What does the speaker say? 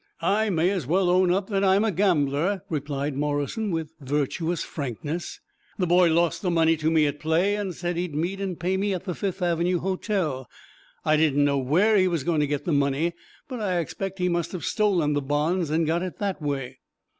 "I may as well own up that I am a gambler," replied Morrison, with virtuous frankness. "The boy lost the money to me at play, and said he'd meet and pay me at the Fifth Avenue Hotel. I didn't know where he was goin' to get the money, but I expect he must have stolen the bonds, and got it that way."